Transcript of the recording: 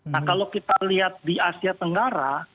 nah kalau kita lihat di asia tenggara